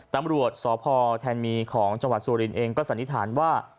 ตำรวจสพแทนมีของจังหวัดสุรินเองก็สันนิษฐานว่า